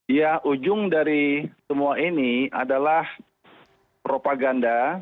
ya ujung dari semua ini adalah propaganda